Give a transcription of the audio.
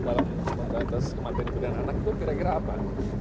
pada saat ini kemampuan ibu dan anak itu kira kira apa